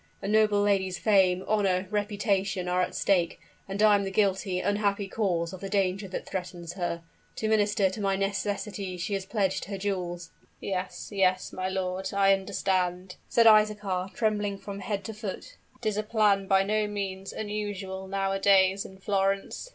A noble lady's fame, honor, reputation are at stake; and I am the guilty, unhappy cause of the danger that threatens her. To minister to my necessities she has pledged her jewels " "Yes, yes, my lord I understand," said Isaachar, trembling from head to foot, "'tis a plan by no means unusual nowadays in Florence."